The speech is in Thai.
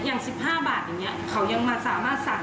อย่าง๑๕บาทอย่างนี้เขายังมาสามารถสั่ง